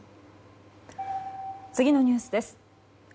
次のニュースです。